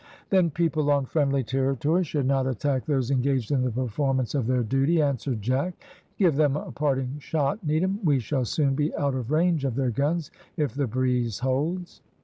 "Then people on friendly territory should not attack those engaged in the performance of their duty," answered Jack; "give them a parting shot, Needham; we shall soon be out of range of their guns, if the breeze holds."